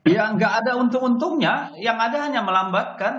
ya nggak ada untung untungnya yang ada hanya melambatkan